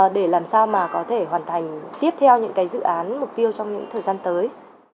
để làm sao mà có thể hoàn thành tiếp theo những dự án mục tiêu trong những thời gian tới